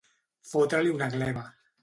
Fotre-li una gleva.